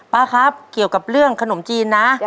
ป้าครับเกี่ยวกับเรื่องขนมจีนนะ